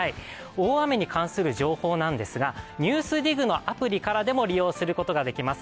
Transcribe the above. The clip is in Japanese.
大雨に関する情報ですが、ＮＥＷＳＤＩＧのアプリからも利用することができます。